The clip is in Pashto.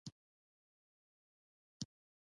زه پارکینګ پیدا کوم